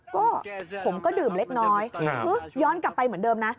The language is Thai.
ก็ผมก็ดื่มเล็กน้อยย้อนกลับไปเหมือนเดิมนะ